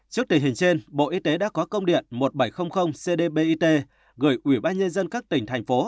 trước tình hình trên bộ y tế đã có công điện một nghìn bảy trăm linh cdbit gửi ủy ban nhân dân các tỉnh thành phố